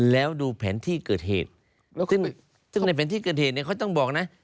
แล้วดูแผนที่เกิดเหตุซึ่งในแผนที่เกิดเหตุเนี่ยเขาต้องบอกนะ